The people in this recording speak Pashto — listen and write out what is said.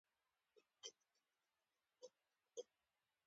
د نجونو تعلیم د ماشومانو زدکړې ته هڅوي.